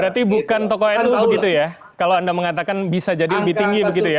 berarti bukan tokoh nu begitu ya kalau anda mengatakan bisa jadi lebih tinggi begitu ya